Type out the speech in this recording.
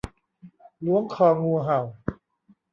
ล้วงคองูเห่า